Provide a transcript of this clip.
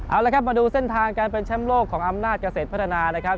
เอาละครับมาดูเส้นทางการเป็นแชมป์โลกของอำนาจเกษตรพัฒนานะครับ